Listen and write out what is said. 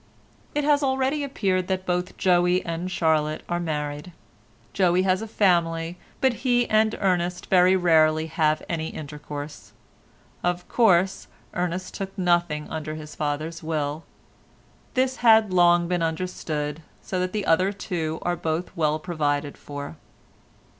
It has already appeared that both Joey and Charlotte are married. Joey has a family, but he and Ernest very rarely have any intercourse. Of course, Ernest took nothing under his father's will; this had long been understood, so that the other two are both well provided for.